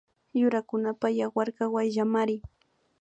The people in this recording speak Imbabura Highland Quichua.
Yurakunapak yawarkaka wayllamari